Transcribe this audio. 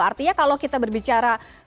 artinya kalau kita berbicara